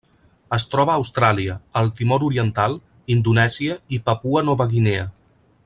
Es troba a Austràlia, el Timor Oriental, Indonèsia i Papua Nova Guinea.